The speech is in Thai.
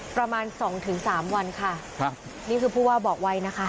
ประมาณ๒๓วันค่ะนี่คือผู้ว่าบอกไวนะคะ